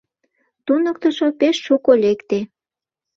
Туныктышо пеш шуко лекте.